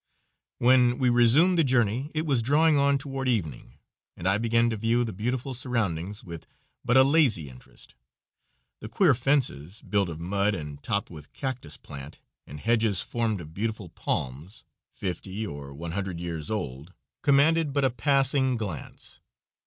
When we resumed the journey it was drawing on toward evening, and I began to view the beautiful surroundings with but a lazy interest; the queer fences, built of mud and topped with cactus plant, and hedges formed of beautiful palms, fifty or one hundred years old, commanded but a passing glance.